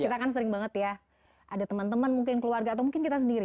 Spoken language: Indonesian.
kita kan sering banget ya ada teman teman mungkin keluarga atau mungkin kita sendiri